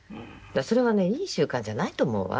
それはねいい習慣じゃないと思うわ。